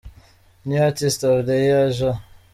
New artist of the year: J.